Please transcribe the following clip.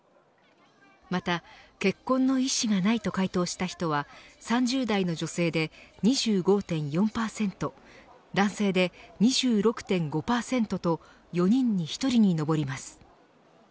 また、結婚の意思がないと回答した人は３０代の女性で２５．４％男性で２６．５％と４人に１人に上ります。